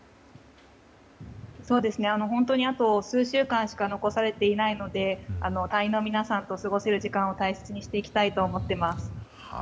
あと数週間しか残されていないので隊員の皆さんと過ごせる時間を大切にしていきたいと思っています。